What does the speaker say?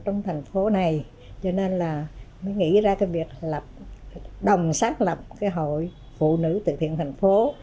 trong thành phố này cho nên là mới nghĩ ra cái việc đồng sát lập cái hội phụ nữ từ thiện tình phố